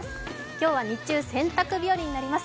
今日は日中、洗濯日和になります。